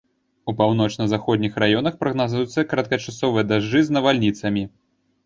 У паўночна-заходніх раёнах прагназуюцца кароткачасовыя дажджы з навальніцамі.